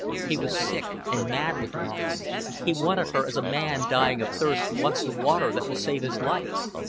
He was sick and mad with longing: he wanted her as a man dying of thirst wants the water that will save his life.